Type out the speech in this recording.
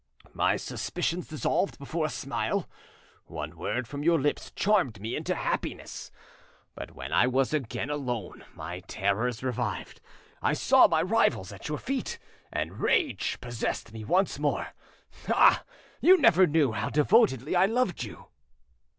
My suspicions dissolved before a smile; one word from your lips charmed me into happiness. But when I was again alone my terrors revived, I saw my rivals at your feet, and rage possessed me once more. Ah! you never knew how devotedly I loved you."